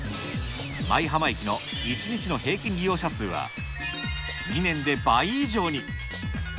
舞浜駅の１日の平均利用者数は２年で倍以上に。